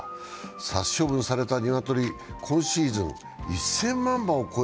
殺処分された鶏は今シーズン１０００万羽を超え